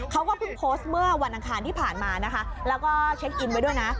เขาก็เพิ่งโพสต์เมื่อวันอังคารที่ผ่านมานะคะแล้วก็เช็คอินไว้ด้วยนะ